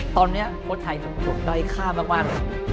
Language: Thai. ตอนนี้โปรดถ่ายจุดโดยอีกค่ามากมาย